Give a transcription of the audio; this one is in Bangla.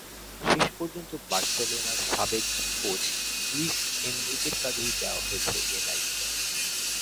শেষ পর্যন্ত বার্সেলোনার সাবেক কোচ লুইস এনরিকের কাঁধেই দেওয়া হয়েছে এ দায়িত্ব।